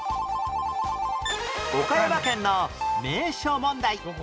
岡山県の名所問題